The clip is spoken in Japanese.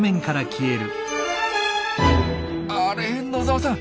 あれ野澤さん